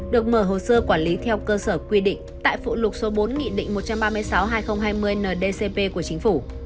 được mở hồ sơ quản lý theo cơ sở quy định tại phụ lục số bốn nghị định một trăm ba mươi sáu hai nghìn hai mươi ndcp của chính phủ